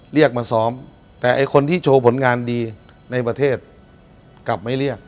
เรียกมาซ้อมแต่ไอ้คนที่โชว์ผลงานดีในประเทศกลับไม่เรียก